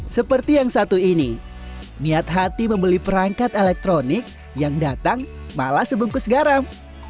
seperti yang satu ini niat hati membeli perangkat elektronik yang datang malah sebungkus garam